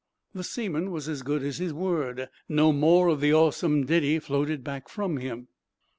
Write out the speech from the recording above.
The seaman was as good as his word. No more of the awesome ditty floated back from him.